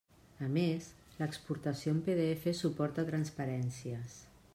A més, l'exportació en PDF suporta transparències.